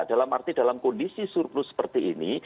dalam arti dalam kondisi surplus seperti ini